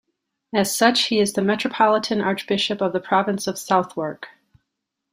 As such he is the Metropolitan Archbishop of the Province of Southwark.